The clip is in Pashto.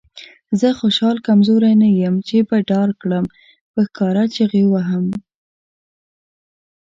زه خوشحال کمزوری نه یم چې به ډار کړم. په ښکاره چیغې وهم.